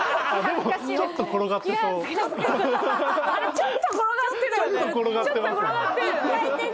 ちょっと転がってますね。